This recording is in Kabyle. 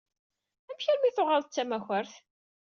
Amek armi i tuɣaleḍ d tamakart?